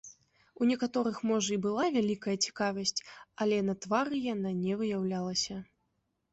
У некаторых можа і была вялікая цікавасць, але на твары яна не выяўлялася.